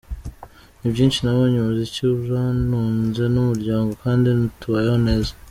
Ni byinshi nabonye, umuziki urantunze n’umuryango kandi tubayeho neza.